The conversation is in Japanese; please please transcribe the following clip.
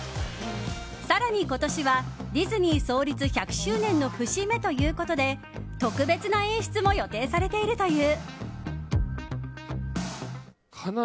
更に、今年はディズニー創立１００周年の節目ということで、特別な演出も予定されているという。